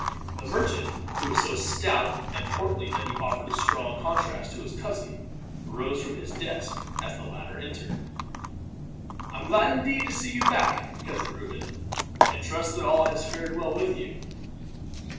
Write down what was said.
The merchant, who was so stout and portly that he offered a strong contrast to his cousin, rose from his desk as the latter entered. "I am glad, indeed, to see you back, Cousin Reuben; and trust that all has fared well with you."